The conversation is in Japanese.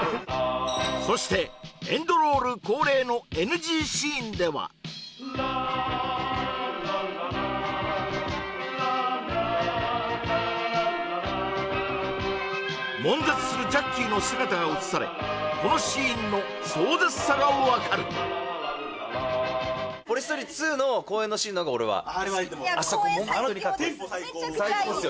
そしてエンドロール恒例のＮＧシーンでは悶絶するジャッキーの姿が映されこのシーンの壮絶さが分かるの方が俺は好き最強です